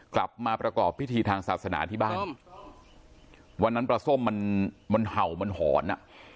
กลับมาประกอบพิธีทางศาสนาที่บ้านวันนั้นปลาส้มมันมันเห่ามันหอนอ่ะ